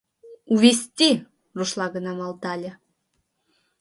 Увести!» — рушла гына малдале.